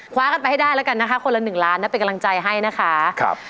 คว้ากันไปให้ได้ละกันนะคะ